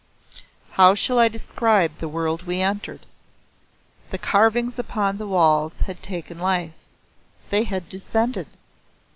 How shall I describe the world we entered? The carvings upon the walls had taken life they had descended.